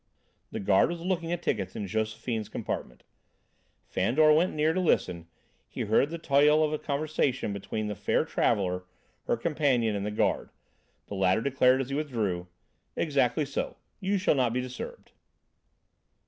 The guard was looking at tickets in Josephine's compartment. Fandor went near to listen; he heard the tail of a conversation between the fair traveller, her companion and the guard. The latter declared as he withdrew: "Exactly so, you shall not be disturbed."